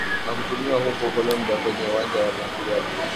na kutumiwa huko Colombia kwenye uwanja wa matibabu